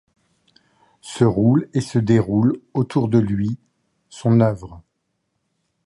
Se roule et se déroule autour de lui. Son œuvre